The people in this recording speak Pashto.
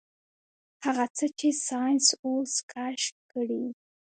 هغه څه چې ساينس اوس کشف کړي.